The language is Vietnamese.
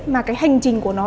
mà cái hành trình của nó